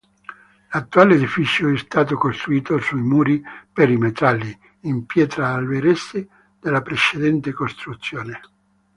L'attuale edificio è stato costruito sui muri perimetrali, in pietra alberese, della precedente costruzione.